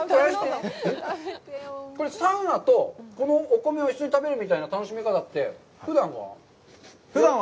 これ、サウナと、このお米を一緒に食べるみたいな楽しみ方ってふだんは？